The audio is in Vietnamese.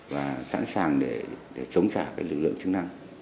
và sẵn sàng để chống trả lực lượng chức năng